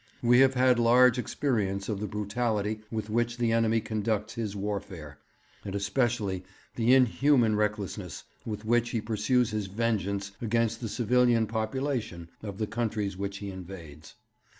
We have had large experience of the brutality with which the enemy conducts his warfare, and especially the inhuman recklessness with which he pursues his vengeance against the civilian population of the countries which he invades.